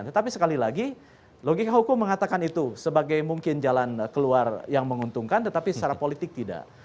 tetapi sekali lagi logika hukum mengatakan itu sebagai mungkin jalan keluar yang menguntungkan tetapi secara politik tidak